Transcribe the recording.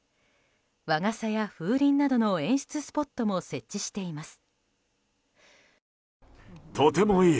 和傘や風鈴などの演出スポットも設置しています。